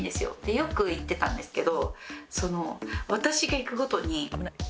よく行ってたんですけど。